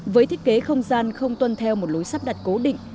với thiết kế không gian không tuân theo một lối sắp đặt cố định